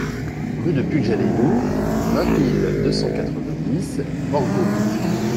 Rue de Pughjalellu, vingt mille deux cent quatre-vingt-dix Borgo